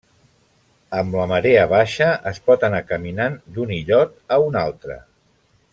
Amb la marea baixa es pot anar caminant d'un illot a un altre.